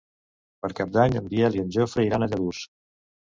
Per Cap d'Any en Biel i en Jofre iran a Lladurs.